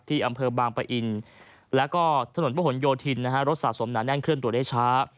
อำเภอบางปะอินแล้วก็ถนนพระหลโยธินนะฮะรถสะสมหนาแน่นเคลื่อนตัวได้ช้า